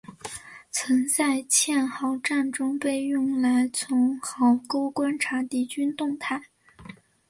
曾在堑壕战中被用来从壕沟观察敌军动态。